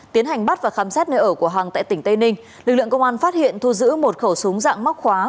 tiến hành bắt và khám xét nơi ở của hằng tại tỉnh tây ninh lực lượng công an phát hiện thu giữ một khẩu súng dạng móc khóa